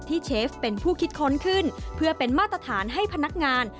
เชฟเป็นผู้คิดค้นขึ้นเพื่อเป็นมาตรฐานให้พนักงาน